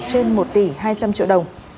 trên một tỷ hai trăm linh triệu đồng